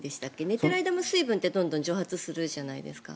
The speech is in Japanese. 寝てる間も水分って蒸発するじゃないですか。